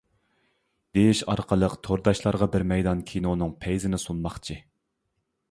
دېيىش ئارقىلىق تورداشلارغا بىر مەيدان كىنونىڭ پەيزىنى سۇنماقچى.